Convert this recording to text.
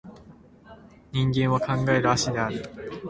人間は考える葦である